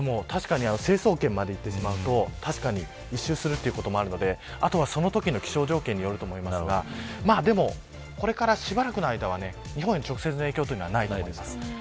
成層圏まで行くと一周するということもあるのであとは、そのときの気象条件によると思いますがこれからしばらくの間は日本への直接の影響はないと思います。